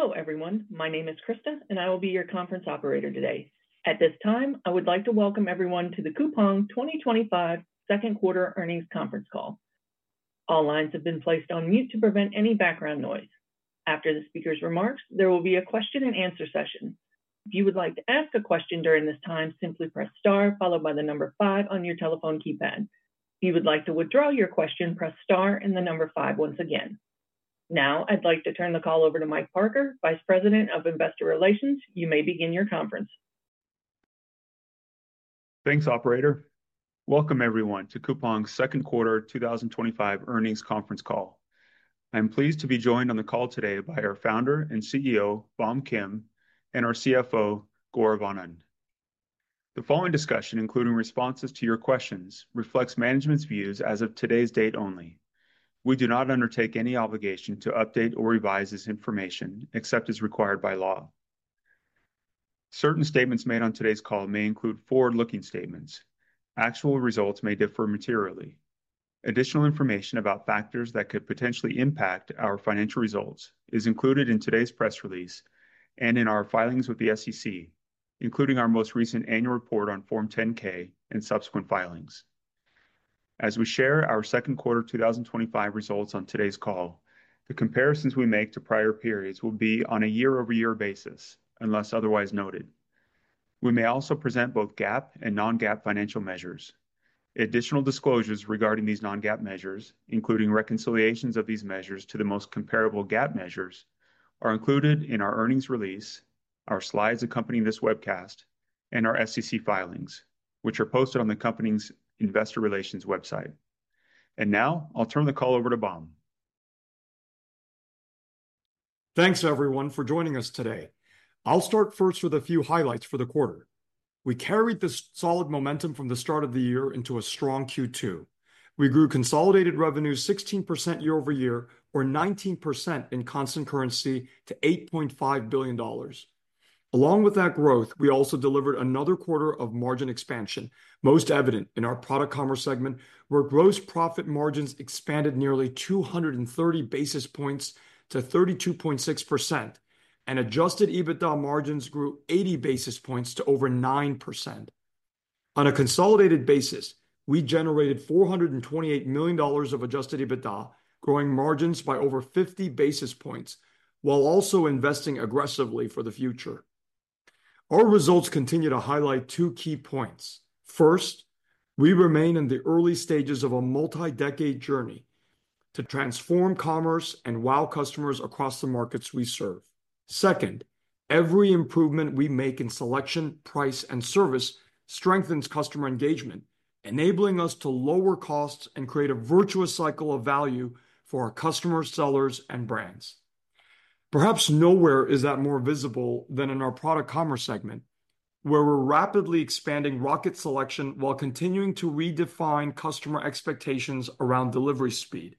Hello everyone, my name is Krista and I will be your conference operator today. At this time I would like to welcome everyone to the Coupang 2025 Second Quarter Earnings Conference Call. All lines have been placed on mute to prevent any background noise. After the speaker's remarks, there will be a question and answer session. If you would like to ask a question during this time, simply press Star followed by the number ffiveve on your telephone keypad. If you would like to withdraw your question, press Star and the number 5 once again. Now I'd like to turn the call over to Mike Parker, Vice President of Investor Relations. You may begin your conference. Thanks, operator. Welcome everyone to Coupang's second quarter 2025 earnings conference call. I am pleased to be joined on the call today by our Founder and CEO Bom Kim and our CFO Gaurav Anand. The following discussion, including responses to your questions, reflects management's views as of today's date only. We do not undertake any obligation to update or revise this information except as required by law. Certain statements made on today's call may include forward-looking statements. Actual results may differ materially. Additional information about factors that could potentially impact our financial results is included in today's press release and in our filings with the SEC, including our most recent annual report on Form 10-K and subsequent filings. As we share our second quarter twenty twenty five results on today's call, the comparisons we make to prior periods will be on a year-over-year basis unless otherwise noted. We may also present both GAAP and non GAAP financial measures. Additional disclosures regarding these non GAAP measures, including reconciliations of these measures to the most comparable GAAP measures, are included in our earnings release, our slides accompanying this webcast, and our SEC filings, which are posted on the company's Investor Relations website. And now I'll turn the call over to Bom. Thanks everyone for joining us today. I'll start first with a few highlights for the quarter. We carried this solid momentum from the start of the year into a strong Q2. We grew consolidated revenue 16% year-over-year or 19% in constant currency to $8.5 billion. Along with that growth, we also delivered another quarter of margin expansion, most evident in our Product Commerce segment where gross profit margins expanded nearly 230 basis points to 32.6% and adjusted EBITDA margins grew 80 basis points to over 9%. On a consolidated basis, we generated $428 million of adjusted EBITDA, growing margins by over 50 basis points while also investing aggressively for the future. Our results continue to highlight two key points. First, we remain in the early stages of a multi decade journey to transform commerce and wow customers across the markets we serve. Second, every improvement we make in selection, price, and service strengthens customer engagement, enabling us to lower costs and create a virtuous cycle of value for our customers, sellers, and brands. Perhaps nowhere is that more visible than in our Product Commerce segment where we're rapidly expanding Rocket selection while continuing to redefine customer expectations around delivery speed.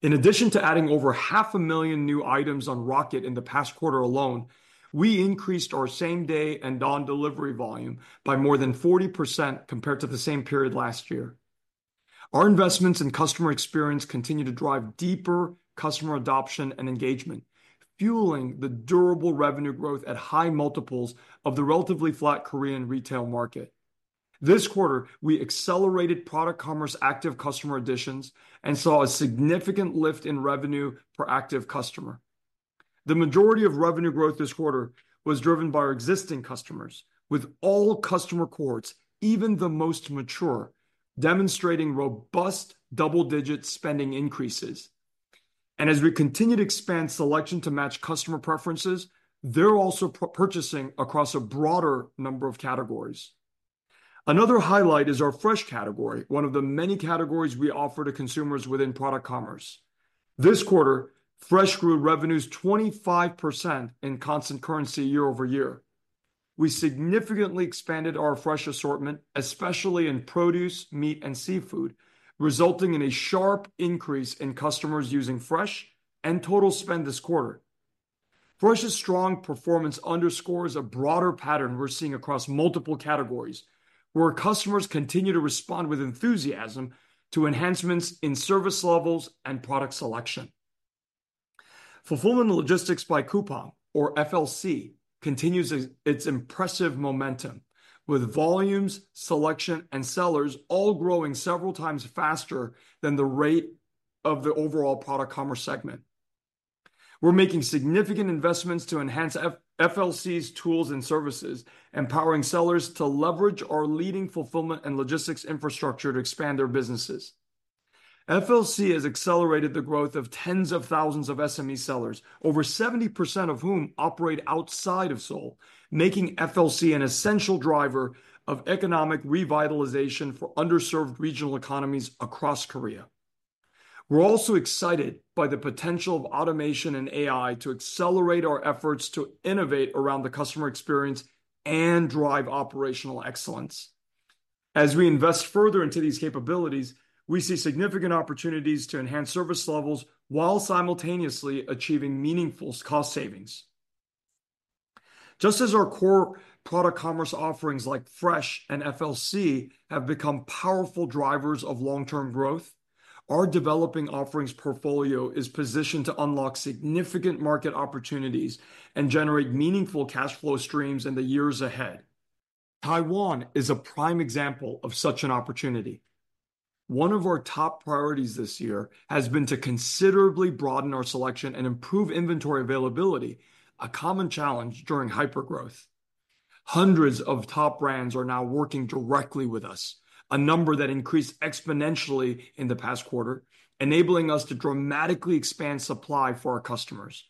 In addition to adding over half a million new items on Rocket in the past quarter alone, we increased our same day and on delivery volume by more than 40% compared to the same period last year. Our investments in customer experience continue to drive deeper customer adoption and engagement, fueling the durable revenue growth at high multiples of the relatively flat Korean retail market. This quarter we accelerated Product Commerce active customer additions and saw a significant lift in revenue per active customer. The majority of revenue growth this quarter was driven by our existing customers, with all customer cohorts, even the most mature, demonstrating robust double-digit spending increases. As we continue to expand selection to match customer preferences, they're also purchasing across a broader number of categories. Another highlight is our Fresh category, one of the many categories we offer to consumers within Product Commerce. This quarter, Fresh grew revenues 25% in constant currency year-over-year. We significantly expanded our Fresh assortment, especially in produce, meat, and seafood, resulting in a sharp increase in customers using Fresh and total spend this quarter. Fresh's strong performance underscores a broader pattern we're seeing across multiple categories where customers continue to respond with enthusiasm to enhancements in service levels and product selection. Fulfillment and Logistics by Coupang (FLC) continues its impressive momentum with volumes, selection, and sellers all growing several times faster than the rate of the overall Product Commerce segment. We're making significant investments to enhance FLC's tools and services, empowering sellers to leverage our leading fulfillment and logistics infrastructure to expand their businesses. FLC has accelerated the growth of tens of thousands of SME sellers, over 70% of whom operate outside of Seoul, making FLC an essential driver of economic revitalization for underserved regional economies across Korea. We're also excited by the potential of automation and AI to accelerate our efforts to innovate around the customer experience and drive operational excellence. As we invest further into these capabilities, we see significant opportunities to enhance service levels while simultaneously achieving meaningful cost savings. Just as our core Product Commerce offerings like Fresh and FLC have become powerful drivers of long-term growth, our developing offerings portfolio is positioned to unlock significant market opportunities and generate meaningful cash flow streams in the years ahead. Taiwan is a prime example of such an opportunity. One of our top priorities this year has been to considerably broaden our selection and improve inventory availability, a common challenge during hypergrowth. Hundreds of top brands are now working directly with us, a number that increased exponentially in the past quarter, enabling us to dramatically expand supply for our customers.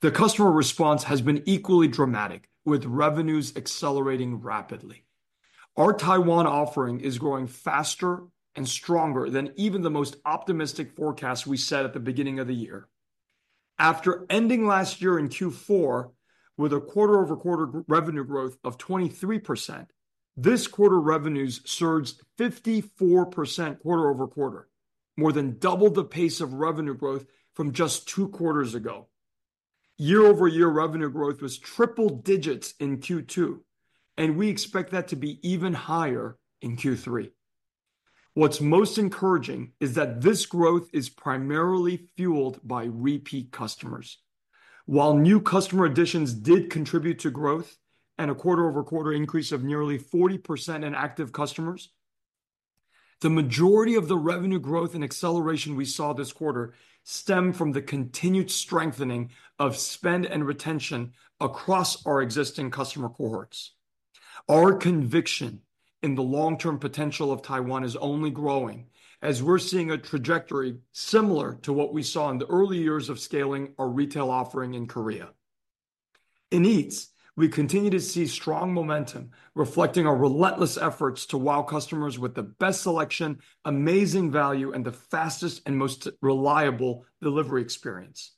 The customer response has been equally dramatic, with revenues accelerating rapidly. Our Taiwan offering is growing faster and stronger than even the most optimistic forecast we set at the beginning of the year. After ending last year in Q4 with a quarter-over-quarter revenue growth of 23%, this quarter revenues surged 54% quarter-over-quarter, more than double the pace of revenue growth from just two quarters ago. Year-over-year revenue growth was triple digits in Q2, and we expect that to be even higher in Q3. What's most encouraging is that this growth is primarily fueled by repeat customers. While new customer additions did contribute to growth and a quarter-over-quarter increase of nearly 40% in active customers, the majority of the revenue growth and acceleration we saw this quarter stem from the continued strengthening of spend and retention across our existing customer cohorts. Our conviction in the long-term potential of Taiwan is only growing as we're seeing a trajectory similar to what we saw in the early years of scaling our retail offering in Korea. In Eats, we continue to see strong momentum reflecting our relentless efforts to wow customers with the best selection of amazing value and the fastest and most reliable delivery experience.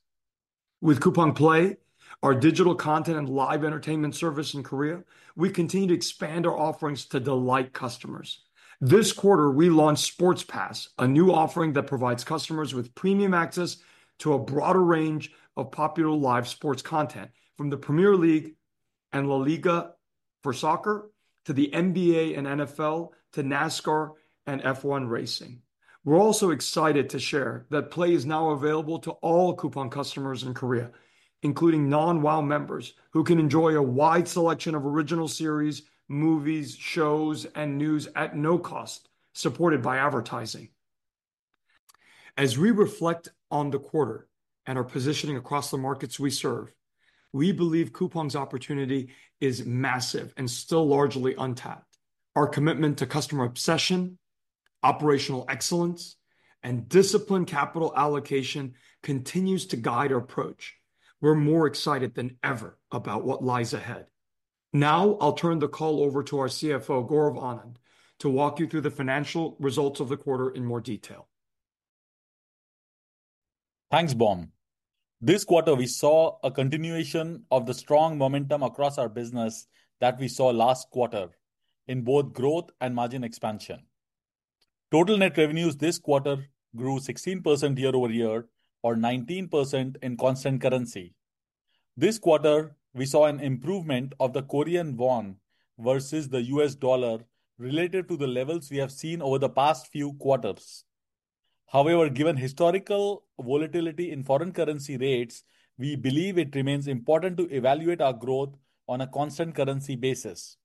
With Coupang Play, our digital content and live entertainment service in Korea, we continue to expand our offerings to delight customers. This quarter we launched Sports Pass, a new offering that provides customers with premium access to a broader range of popular live sports content from the Premier League and La Liga for soccer to the NBA and NFL to NASCAR and F1 Racing. We're also excited to share that Play is now available to all Coupang customers in Korea, including non-wow members who can enjoy a wide selection of original series, movies, shows, and news at no cost supported by advertising. As we reflect on the quarter and our positioning across the markets we serve, we believe Coupang's opportunity is massive and still largely untapped. Our commitment to customer obsession, operational excellence, and disciplined capital allocation continues to guide our approach. We're more excited than ever about what lies ahead now. I'll turn the call over to our CFO, Gaurav Anand, to walk you through the financial results of the quarter in more detail. Thanks, Bom. This quarter we saw a continuation of the strong momentum across our business that we saw last quarter in both growth and margin expansion. Total net revenues this quarter grew 16% year-over-year or 19% in constant currency. This quarter we saw an improvement of the Korean Won versus the U.S. Dollar related to the levels we have seen over the past few quarters. However, given historical volatility in foreign currency rates, we believe it remains important to evaluate our growth on a constant currency basis.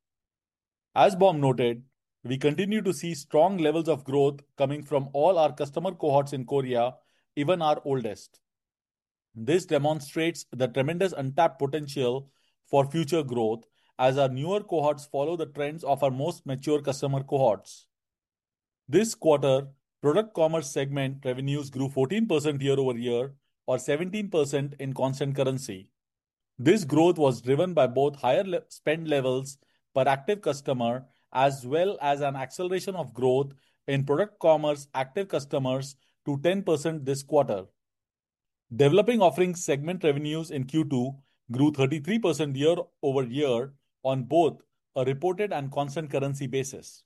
As Bom noted, we continue to see strong levels of growth coming from all our customer cohorts in Korea, even our oldest. This demonstrates the tremendous untapped potential for future growth as our newer cohorts follow the trends of our most mature customer cohorts. This quarter, Product Commerce segment revenues grew 14% year-over-year or 17% in constant currency. This growth was driven by both higher spend levels per active customer as well as an acceleration of growth in Product Commerce active customers to 10% this quarter. Developing Offerings segment revenues in Q2 grew 33% year over year on both a reported and constant currency basis.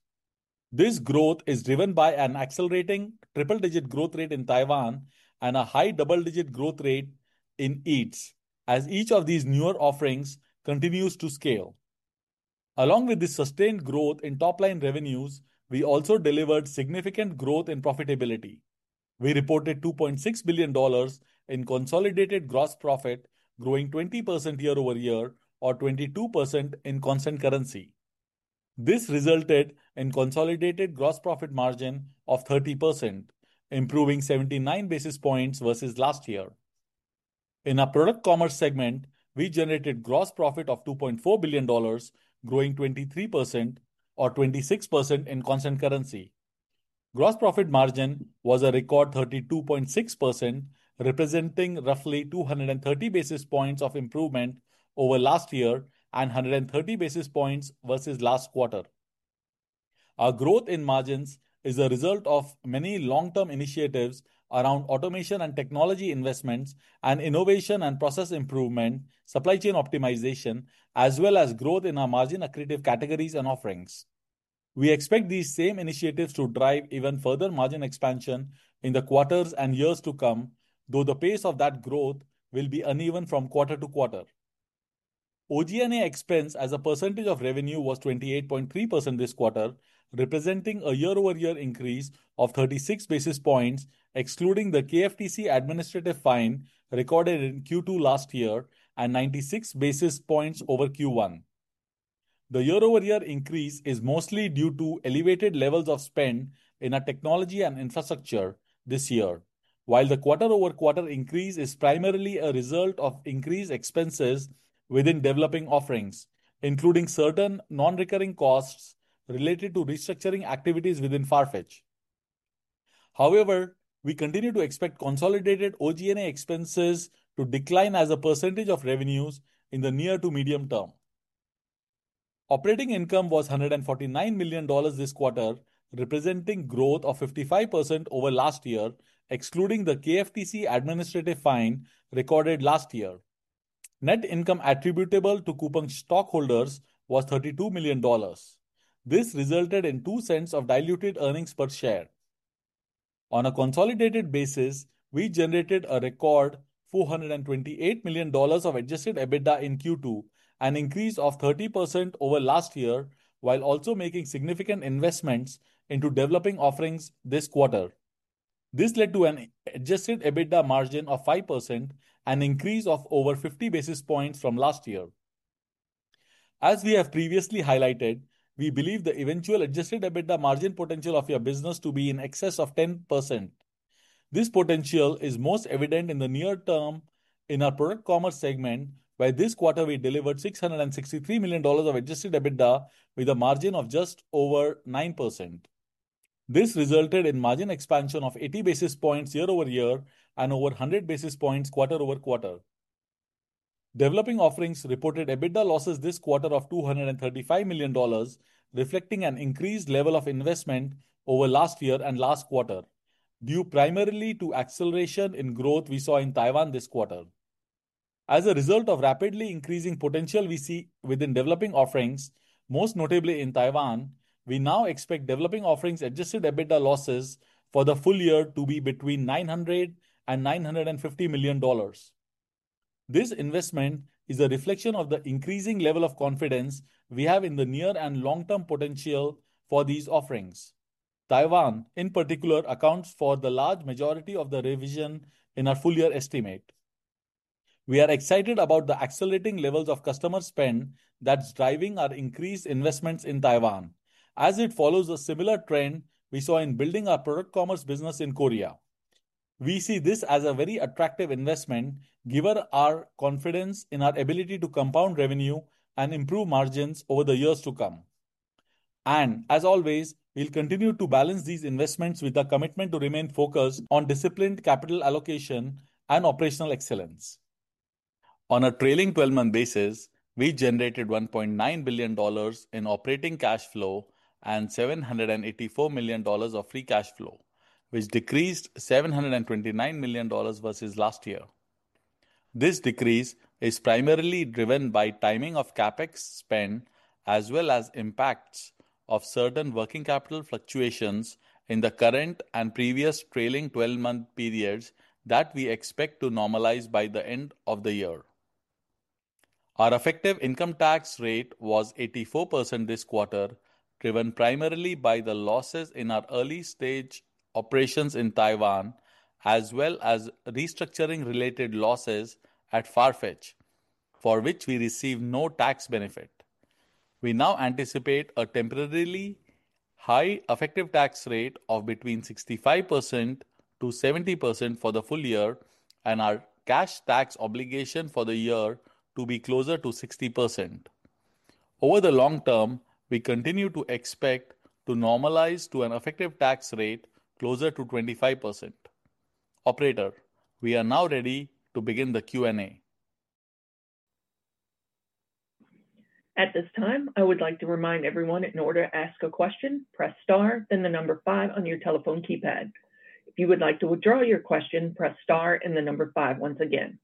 This growth is driven by an accelerating triple-digit growth rate in Taiwan and a high double-digit growth rate in Eats as each of these newer offerings continues to scale. Along with this sustained growth in top line revenues, we also delivered significant growth in profitability. We reported $2.6 billion in consolidated gross profit growing 20% year-over-year or 22% in constant currency. This resulted in consolidated gross profit margin of 30% improving 79 basis points versus last year. In our Product Commerce segment we generated gross profit of $2.4 billion growing 23% or 26% in constant currency. Gross profit margin was a record 32.6% representing roughly 230 basis points of improvement over last year and 130 basis points versus last quarter. Our growth in margins is a result of many long-term initiatives around automation and technology investments and innovation and process improvement, supply chain optimization as well as growth in our margin accretive categories and offerings. We expect these same initiatives to drive even further margin expansion in the quarters and years to come, though the pace of that growth will be uneven from quarter to quarter. OGNA expense as a percentage of revenue was 28.3% this quarter, representing a year-over year increase of 36 basis points excluding the KFTC administrative fine recorded in Q2 last year and 96 basis points over Q1. The year-over-year increase is mostly due to elevated levels of spend in our technology and infrastructure this year, while the quarter-over-quarter increase is primarily a result of increased expenses within Developing Offerings, including certain non-recurring costs related to restructuring activities within Farfetch. However, we continue to expect consolidated OGNA expenses to decline as a percentage of revenues in the near to medium term. Operating income was $149 million this quarter, representing growth of 55% over last year. Excluding the KFTC administrative fine recorded last year, net income attributable to Coupang stockholders was $32 million. This resulted in $0.02 of diluted earnings per share. On a consolidated basis, we generated a record $428 million of adjusted EBITDA in Q2, an increase of 30% over last year, while also making significant investments into Developing Offerings this quarter. This led to an adjusted EBITDA margin of 5%, an increase of over 50 basis points from last year. As we have previously highlighted, we believe the eventual adjusted EBITDA margin potential of our business to be in excess of 10%. This potential is most evident in the near term in our Product Commerce segment. By this quarter, we delivered $663 million of adjusted EBITDA with a margin of just over 9%. This resulted in margin expansion of 80 basis points year-over-year and over 100 basis points quarter-over-quarter. Developing Offerings reported EBITDA losses this quarter of $235 million, reflecting an increased level of investment over last year and last quarter due primarily to acceleration in growth we saw in Taiwan this quarter. As a result of rapidly increasing potential we see within Developing Offerings, most notably in Taiwan, we now expect Developing Offerings adjusted EBITDA losses for the full year to be between $900 million and $950 million. This investment is a reflection of the increasing level of confidence we have in the near and long term potential for these offerings. Taiwan in particular accounts for the large majority of the revision in our full year estimate. We are excited about the accelerating levels of customer spend that's driving our increased investments in Taiwan as it follows a similar trend we saw in building our Product commerce business in Korea. We see this as a very attractive investment given our confidence in our ability to compound revenue and improve margins over the years to come. As always, we'll continue to balance these investments with our commitment to remain focused on disciplined capital allocation and operational excellence. On a trailing twelve month basis we generated $1.9 billion in operating cash flow and $784 million of free cash flow, which decreased $729 million versus last year. This decrease is primarily driven by timing of CapEx spend, as well as impacts of certain working capital fluctuations in the current and previous trailing 12 month periods, that we expect to normalize by the end of the year. Our effective income tax rate was 84% this quarter, driven primarily by the losses in our early stage operations in Taiwan, as well as restructuring related losses at Farfetch for which we receive no tax benefit. We now anticipate a temporarily high effective tax rate of between 65%-70% for the full year and our cash tax obligation for the year to be closer to 60%. Over the long term, we continue to expect to normalize to an effective tax rate closer to 25%. Operator, we are now ready to begin the Q&A. At this time, I would like to remind everyone in order to ask a question, press Star, then the number five on your telephone keypad. If you would like to withdraw your question, press Star and the number five. Once again,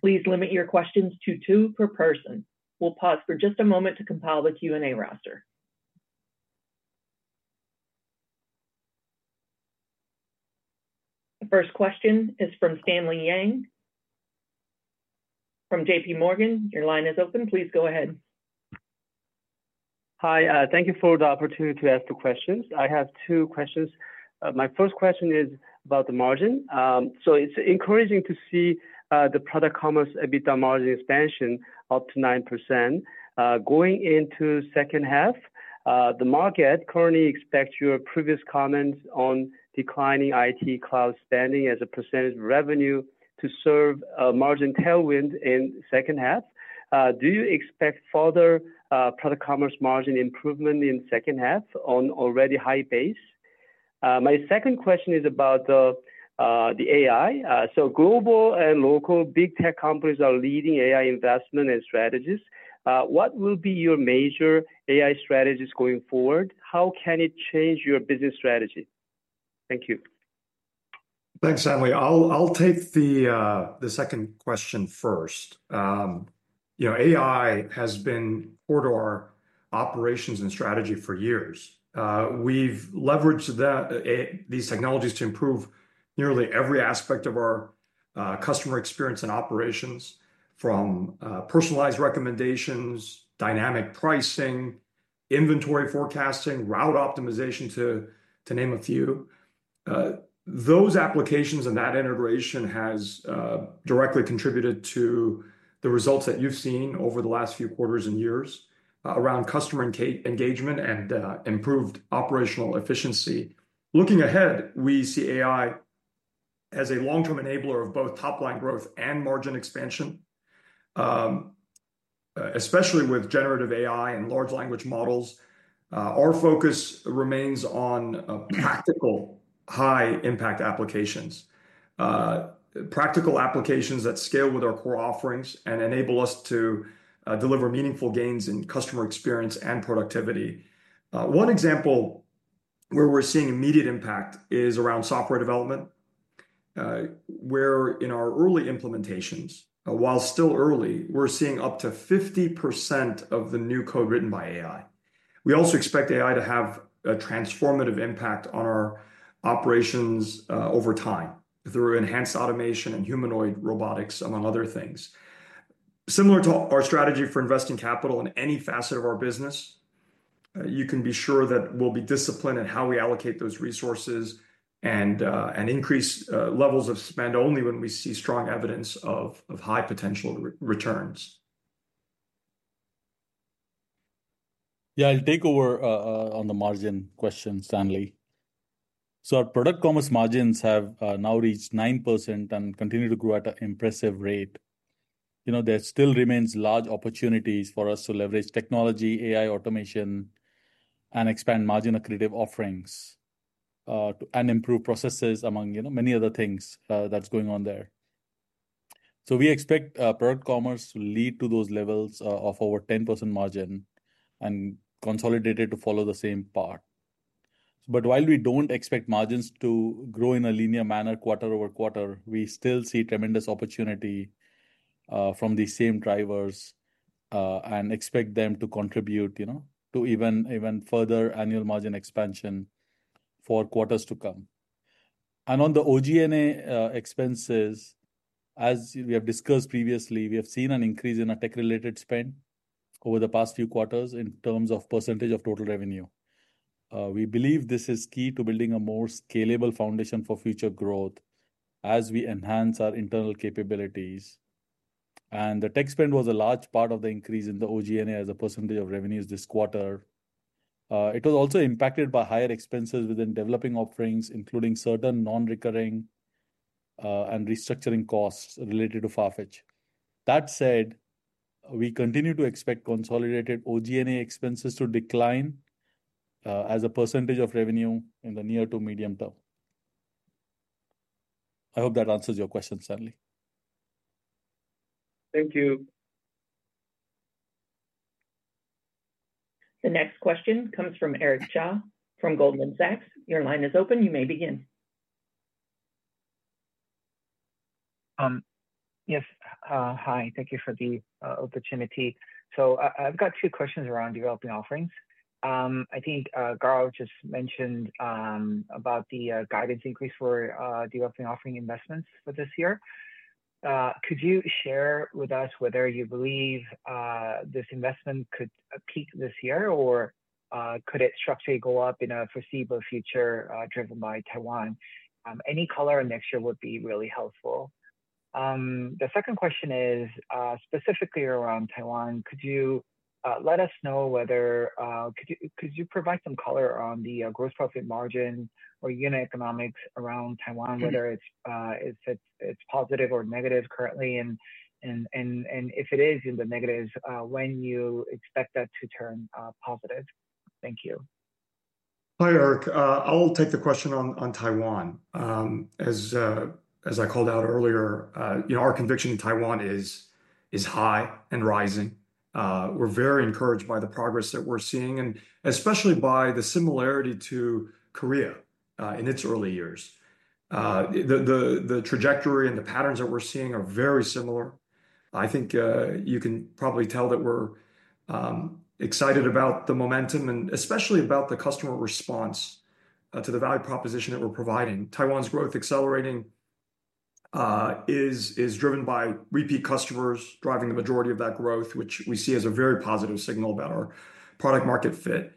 please limit your questions to two per person. We'll pause for just a moment to compile the Q&A roster. The first question is from Stanley Yang from JP Morgan. Your line is open. Please go ahead. Hi, thank you for the opportunity to ask the questions. I have two questions. My first question is about the margin. It's encouraging to see the Product Commerce EBITDA margin expansion up to 9% going into the second half the market currently expects. Your previous comment on declining IT cloud spending as a percentage of revenue to serve a margin tailwind in the second half. Do you expect further Product Commerce margin improvement in the second half on an already high base? My second question is about the AI. Global and local big tech companies are leading AI investment and strategies. What will be your major AI strategies going forward? How can IT change your business strategy? Thank you. Thanks, stanley. I'll take the second question first. AI has been core to our operations and strategy for years. We've leveraged these technologies to improve nearly every aspect of our customer experience and operations, from personalized recommendations, dynamic pricing, inventory forecasting, and route optimization, to name a few. Those applications and that integration have directly contributed to the results that you've seen over the last few quarters and years around customer engagement and improved operational efficiency. Looking ahead, we see AI as a long-term enabler of both top-line growth and margin expansion, especially with generative AI and large language models. Our focus remains on practical, high-impact applications, practical applications that scale with our core offerings and enable us to deliver meaningful gains in customer experience and productivity. One example where we're seeing immediate impact is around software development, where in our early implementations, while still early, we're seeing up to 50% of the new code written by AI. We also expect AI to have a transformative impact on our operations over time through enhanced automation and humanoid robotics, among other things. Similar to our strategy for investing capital in any facet of our business, you can be sure that we'll be disciplined in how we allocate those resources and increase levels of spend only when we see strong evidence of high-potential returns. Yeah, I'll take over on the margin question, Stanley. Our product commerce margins have now reached 9% and continue to grow at an impressive rate. There still remains large opportunities for us to leverage technology, AI automation, expand margin accretive offerings, and improve processes, among many other things that's going on there. We expect product commerce to lead to those levels of over 10% margin and consolidated to follow the same path. While we don't expect margins to grow in a linear manner quarter-over-quarter, we still see tremendous opportunity from the same drivers and expect them to contribute to even further annual margin expansion for quarters to come. On the OGNA expenses, as we have discussed previously, we have seen an increase in our tech-related spend over the past few quarters in terms of percentage of total revenue. We believe this is key to building a more scalable foundation for future growth as we enhance our internal capabilities. The tech spend was large part of the increase in the OGNA as a percentage of revenues this quarter was also impacted by higher expenses within developing offerings, including certain non-recurring and restructuring costs related to Farfetch. That said, we continue to expect consolidated OGNA expenses to decline as a percentage of revenue in the near to medium term. I hope that answers your question, Stanley. Thank you. The next question comes from Eric Jjombwe from Goldman Sachs. Your line is open. You may begin. Yes. Hi. Thank you for the opportunity. I've got two questions around Developing Offerings. I think Gaurav just mentioned the guidance increase for Developing Offering investments for this year. Could you share with us whether you believe this investment could peak this year or could it structurally go up in the foreseeable future driven by Taiwan? Any color next year would be really helpful. The second question is specifically around Taiwan. Could you let us know whether, could you provide some color on the gross profit margin or unit economics around Taiwan? Whether it's positive or negative currently, and if it is in the negatives, when you expect that to turn positive. Thank you. Hi Eric. I'll take the question on Taiwan. As I called out earlier, our conviction in Taiwan is high and rising. We're very encouraged by the progress that we're seeing, and especially by the similarity to Korea in its early years. The trajectory and the patterns that we're seeing are very similar. I think you can probably tell that we're excited about the momentum and especially about the customer response to the value proposition that we're providing. Taiwan's growth accelerating is driven by repeat customers driving the majority of that growth, which we see as a very positive signal about our product market fit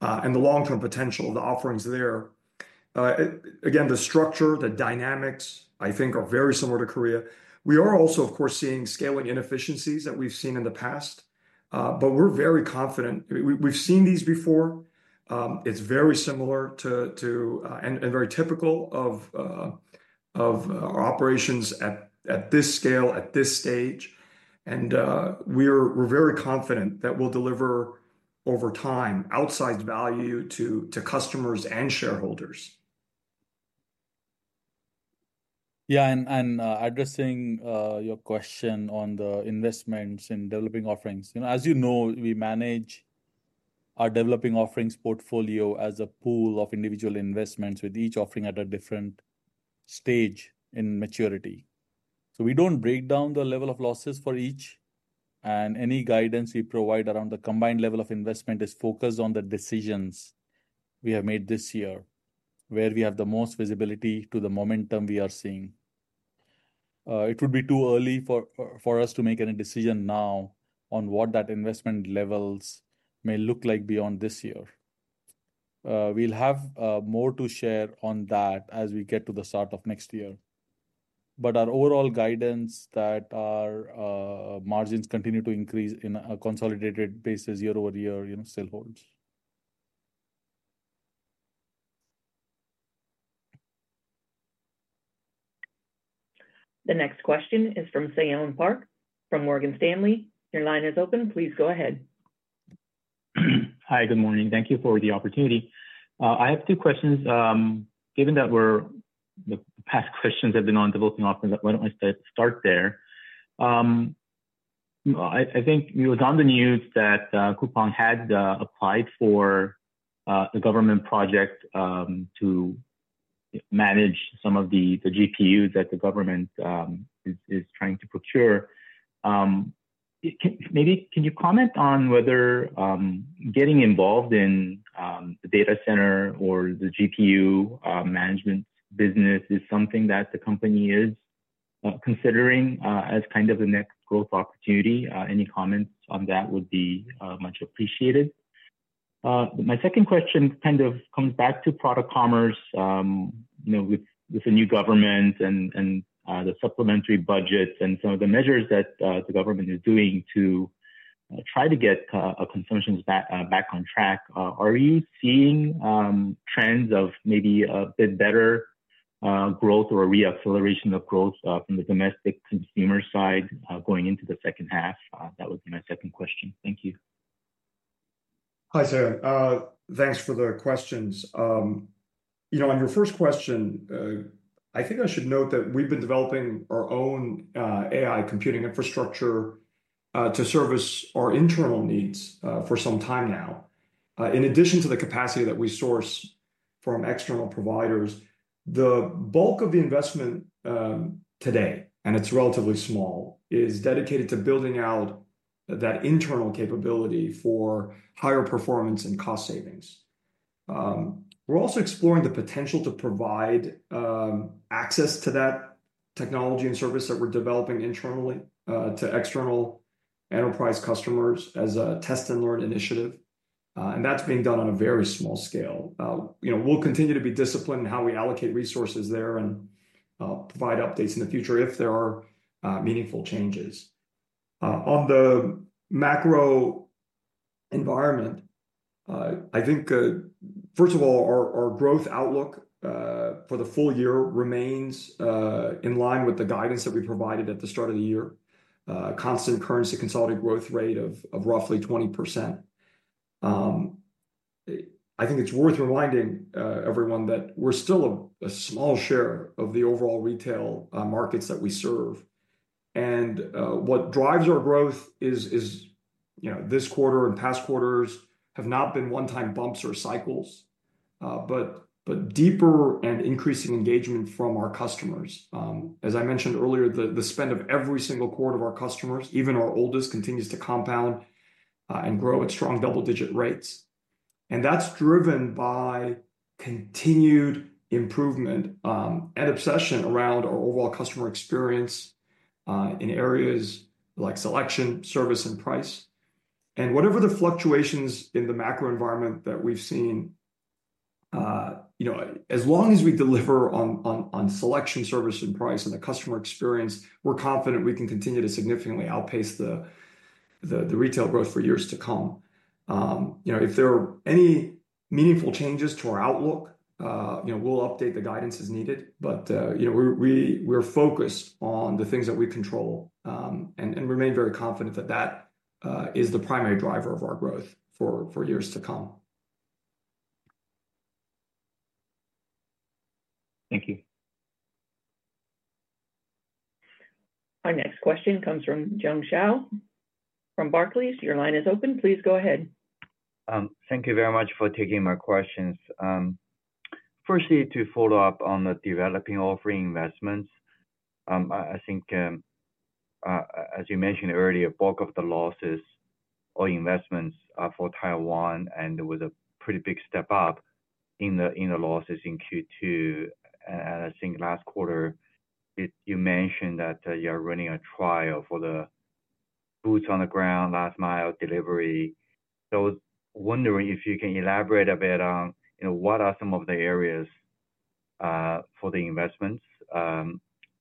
and the long term potential. The offerings there, again, the structure, the dynamics, I think are very similar to Korea. We are also, of course, seeing scaling inefficiencies that we've seen in the past. We're very confident we've seen these before. It's very similar and very typical of operations at this scale, at this stage. We're very confident that we'll deliver over time outsized value to customers and shareholders. Yeah. Addressing your question on the investments in developing offerings, as you know we manage our developing offerings portfolio as a pool of individual investments, with each offering at a different stage in maturity. We do not break down the level losses for each. Any guidance we provide around the combined level of investment is focused on the decisions we have made this year, where we have the most visibility to the momentum we are seeing. It would be too early for us to make any decision now on what that investment levels may look like beyond this year. We'll have more to share on that as we get to the start of next year. Our overall guidance that our margins continue to increase on a consolidated basis year over year still holds. The next question is from Seyon Park from Morgan Stanley. Your line is open. Please go ahead. Hi, good morning. Thank you for the opportunity. I have two questions. Given that we're past questions of the non-developing offer, why don't I start there? I think it was on the news that Coupang had applied for a government project to manage some of the GPUs that the government is trying to procure. Maybe can you comment on whether getting involved in the data center or the GPU management business is something that the company is considering as kind of the next growth opportunity? Any comments on that would be much appreciated. My second question kind of comes back to Product Commerce. You know, with the new government and the supplementary budget and some of the measures that the government is doing to try to get consumptions back on track, are we seeing trends of maybe a bit better growth or reacceleration of growth from the domestic consumer side going into the second half? That would be my second question. Thank you. Hi Seyon, thanks for the questions. On your first question, I think I should note that we've been developing our own AI computing infrastructure to service our internal needs for some time now. In addition to the capacity that we source from external providers, the bulk of the investment today, and it's relatively small, is dedicated to building out that internal capability for higher performance and cost savings. We're also exploring the potential to provide access to that technology and service that we're developing internally to external enterprise customers as a test and learn initiative. That is being done on a very small scale. We'll continue to be disciplined in how we allocate resources there and provide updates in the future if there are meaningful changes on the macro environment. First of all, our growth outlook for the full year remains in line with the guidance that we provided at the start of the year. Constant currency consolidated growth rate of roughly 20%. I think it's worth reminding everyone that we're still a small share of the overall retail markets that we serve. What drives our growth is this quarter and past quarters have not been one time bumps or cycles, but deeper and increasing engagement from our customers. As I mentioned earlier, the spend of every single quarter of our customers, even our oldest, continues to compound and grow at strong double-digit rates. That's driven by continued improvement and obsession around our overall customer experience in areas like selection, service, and price. Whatever the fluctuations in the macro environment that we've seen, as long as we deliver on selection, service, and price and the customer experience, we're confident we can continue to significantly outpace the retail growth for years to come. If there are any meaningful changes to our outlook, we'll update the guidance as needed. We're focused on the things that we control and remain very confident that is the primary driver of our growth for years to come. Thank you. Our next question comes from Jiong Shao from Barclays. Your line is open. Please go ahead. Thank you very much for taking my questions. Firstly, to follow up on the developing offering investments, I think as you mentioned earlier, bulk of the losses or investments for Taiwan and there was a pretty big step up in the losses in Q2 and I think last quarter you mentioned that you're running a trial for the boots on the ground last mile delivery. Wondering if you can elaborate a bit on what are some of the areas for the investments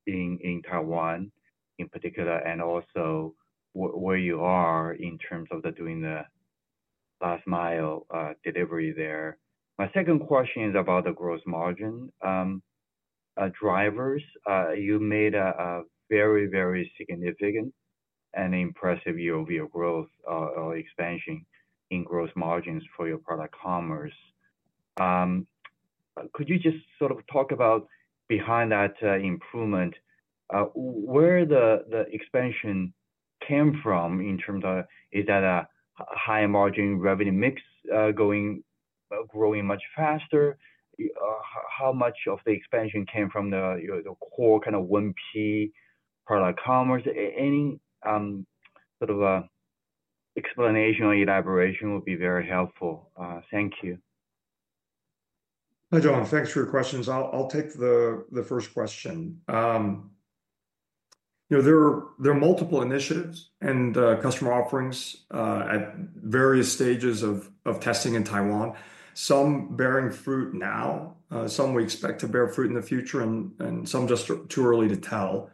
in Taiwan in particular and also where you are in terms of doing the last mile delivery there. My second question is about the gross margin drivers. You made a very, very significant and impressive year-over-year growth or expansion in gross margins for your Product Commerce. Could you just sort of talk about behind that improvement, where the expansion came from in terms of is that a high margin revenue mix growing much faster, how much of the expansion came from the core kind of 1P Product Commerce? Any sort of explanation or elaboration would be very helpful. Thank you. Hi John, thanks for your questions. I'll take the first question. There are multiple initiatives and customer offerings at various stages of testing in Taiwan. Some bearing fruit now, some we expect to bear fruit in the future, and some just too early to tell.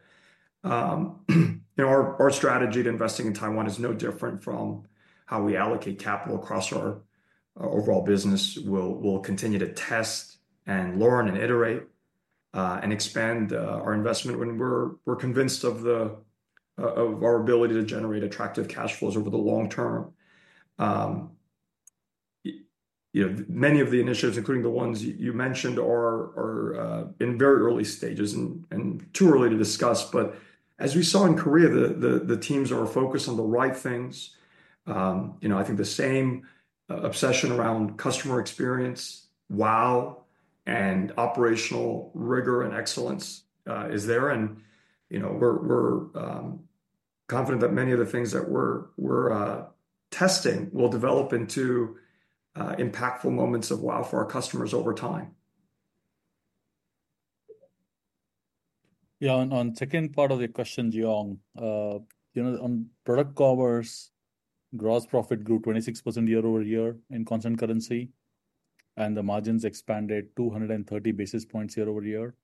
Our strategy to investing in Taiwan is no different from how we allocate capital across our overall business. We'll continue to test and learn, iterate, and expand our investment when we're convinced of our ability to generate attractive cash flows over the long term. Many of the initiatives, including the ones you mentioned, are in very early stages and too early to discuss. As we saw in Korea, the teams are focused on the right things. I think the same obsession around customer experience, wow, and operational rigor and excellence is there. We're confident that many of the things that we're testing will develop into impactful moments of wow for our customers over time. Yeah. On second part of the question, Jiong, you know, on product commerce, gross profit grew 26% year-over-year in constant currency and the margins expanded 230 basis points year-over-year.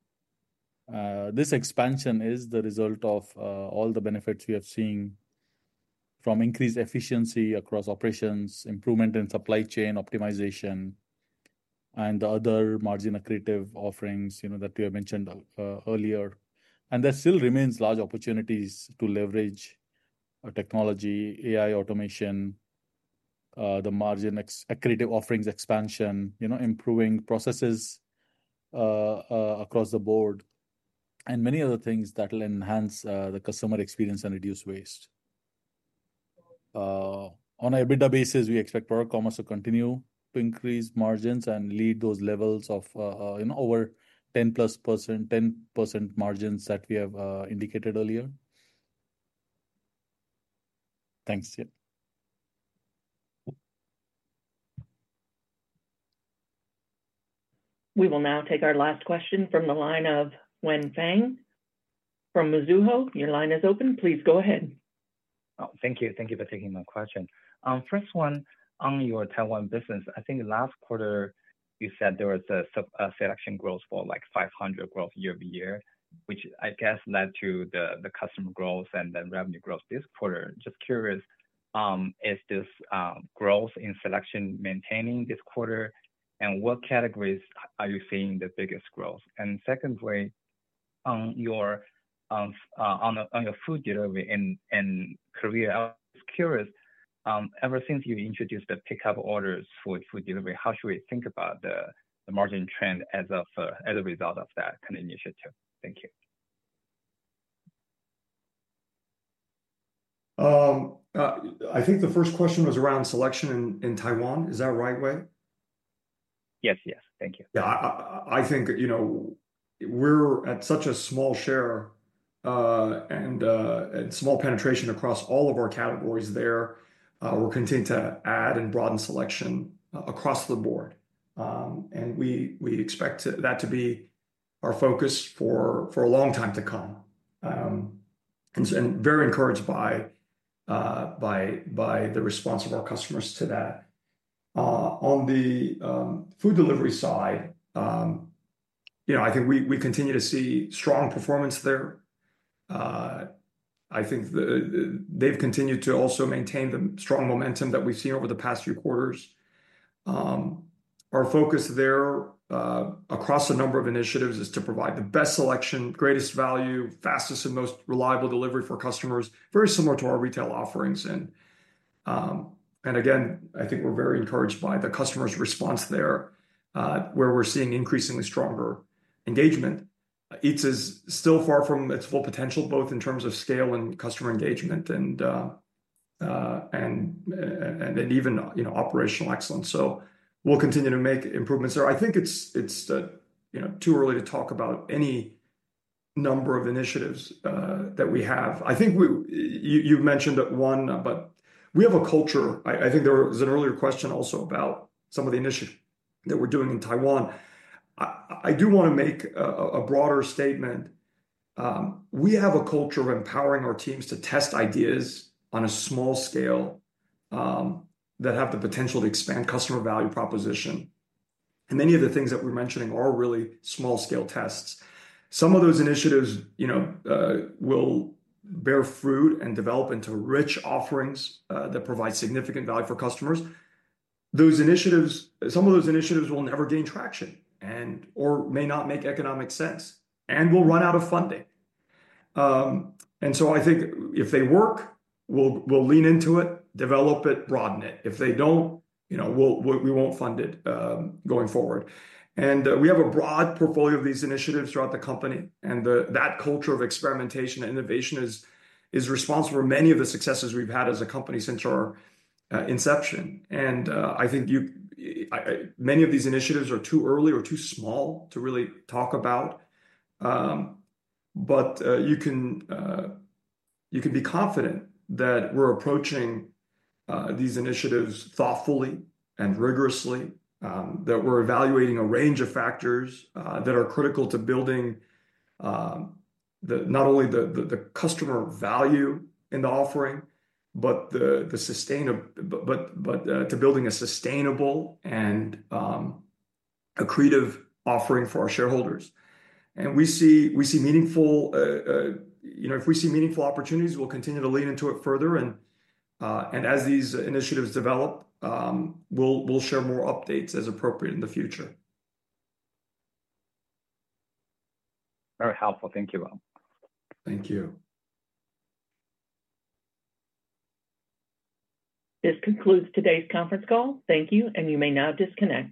This expansion is the result of all the benefits we have seen from increased efficiency across operations, improvement in supply chain optimization, and other margin accretive offerings that you have mentioned earlier. There still remains large opportunities to leverage technology, AI automation, the margin accretive offerings expansion, improving processes across the board, and many other things that will enhance the customer experience and reduce waste. On an EBITDA basis, we expect product commerce to continue to increase margins and lead those levels of over 10%+, 10% margins that we have indicated earlier. Thanks. We will now take our last question from the line of Wei Fang from Mizuho. Your line is open. Please go ahead. Thank you. Thank you for taking my question. First one, on your Taiwan business, I think last quarter you said there was a selection growth for like 500% growth year-over-year, which I guess led to the customer growth and then revenue growth this quarter. Just curious, is this growth in selection maintaining this quarter, and what categories are you seeing the biggest growth? Secondly, on your food delivery in Korea, I was curious ever since you introduced the pickup orders for food delivery, how should we think about the margin trend as a result of that initiative? Thank you. I think the first question was around selection in Taiwan. Is that right, Wei? Yes, yes, thank you. I think we're at such a small share and small penetration across all of our categories there. We're continuing to add and broaden selection across the board, and we expect that to be our focus for a long time to come. Very encouraged by the response of our customers to that. On the food delivery side, I think we continue to see strong performance there. I think they've continued to also maintain the strong momentum that we've seen over the past few quarters. Our focus there across a number of initiatives is to provide the best selection, greatest value, fastest and most reliable delivery for customers, very similar to our retail offerings. Again, I think we're very encouraged by the customer's response there, where we're seeing increasingly stronger engagement. Eats is still far from its full potential, both in terms of scale and customer engagement and even operational excellence. We'll continue to make improvements there. I think it's too early to talk about any number of initiatives that we have. I think you mentioned one, but we have a culture. I think there was an earlier question also about some of the initiatives that we're doing in Taiwan. I do want to make a broader statement. We have a culture of empowering our teams to test ideas on a small scale that have the potential to expand customer value proposition. Many of the things that we're mentioning are really small scale tests. Some of those initiatives will bear fruit and develop into rich offerings that provide significant value for customers. Some of those initiatives will never gain traction or may not make economic sense and will run out of funding. If they work, we'll lean into it, develop it, broaden it. If they don't, we won't fund it going forward. We have a broad portfolio of these initiatives throughout the company. That culture of experimentation and innovation is responsible for many of the successes we've had as a company since our inception. Many of these initiatives are too early or too small to really talk about, but you can be confident that we're approaching these initiatives thoughtfully and rigorously, that we're evaluating a range of factors that are critical to building not only the customer value in the offering, but to building a sustainable and accretive offering for our shareholders. If we see meaningful opportunities, we'll continue to. Lean into it further. As these initiatives develop, we'll share more updates as appropriate in the future. Very helpful. Thank you, Rob. Thank you. This concludes today's conference call. Thank you. You may now disconnect.